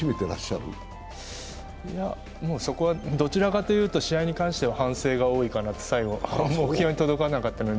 いや、もうそこはどちらかというと試合に関しては反省が多いかなと、最後、目標に届かなかったから。